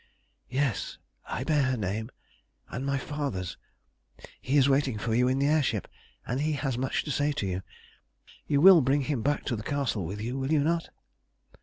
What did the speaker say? "Yes, I bear her name and my father's. He is waiting for you in the air ship, and he has much to say to you. You will bring him back to the Castle with you, will you not?"